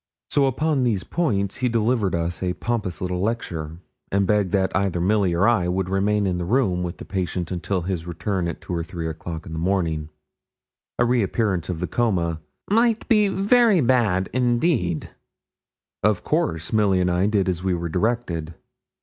So upon these points he delivered us a pompous little lecture, and begged that either Milly or I would remain in the room with the patient until his return at two or three o'clock in the morning; a reappearance of the coma 'might be very bad indeed.' Of course Milly and I did as we were directed.